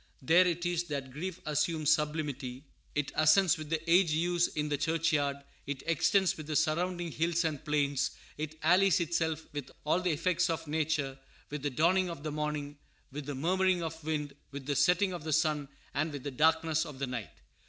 There it is that grief assumes sublimity; it ascends with the aged yews in the churchyard; it extends with the surrounding hills and plains; it allies itself with all the effects of Nature, with the dawning of the morning, with the murmuring of wind, with the setting of the sun, and with the darkness of the night."